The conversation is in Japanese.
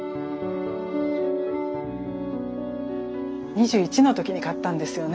２１の時に買ったんですよね。